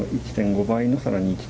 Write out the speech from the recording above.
pemerintah menurut peneliti